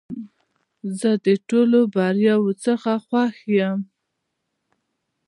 زه د ټولو بریاوو څخه خوښ یم .